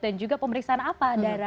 dan juga pemeriksaan apa